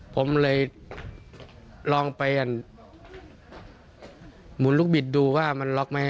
ผมเลยลองไปหมุนลูกบิดดูว่ามันล็อกไหม